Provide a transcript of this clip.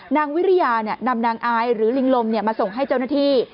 วิริยานำนางอายหรือลิงลมมาส่งให้เจ้าหน้าที่